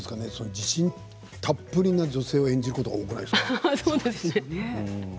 自信たっぷりの女性を演じることが多くないですか？